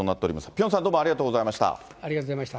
ピョンさん、どうもありがとうごありがとうございました。